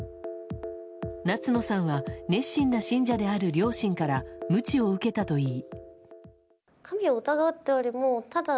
夏野さんは熱心な信者である両親からムチを受けたといい。